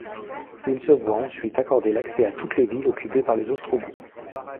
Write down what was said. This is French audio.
Ils se voient ensuite accorder l'accès à toutes les villes occupées par les Ostrogoths.